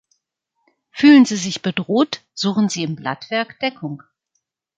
Fühlen sie sich bedroht, suchen sie im Blattwerk Deckung.